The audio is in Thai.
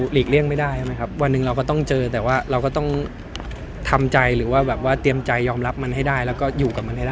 กี่ยงไม่ได้ใช่ไหมครับวันหนึ่งเราก็ต้องเจอแต่ว่าเราก็ต้องทำใจหรือว่าแบบว่าเตรียมใจยอมรับมันให้ได้แล้วก็อยู่กับมันให้ได้